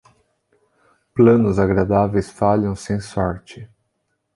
Planos agradáveis falham sem sorte.